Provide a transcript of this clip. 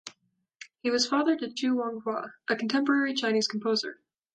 He was father to Chu Wanghua, a contemporary Chinese composer.